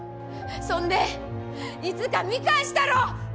そんでいつか見返したろ！